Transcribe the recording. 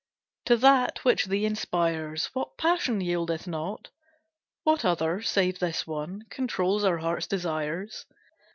To that, which thee inspires, What passion yieldeth not? What other, save this one, Controls our hearts' desires?